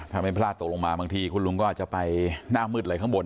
ถ้าไม่พลาดตกลงมาบางทีคุณลุงก็อาจจะไปหน้ามืดเลยข้างบน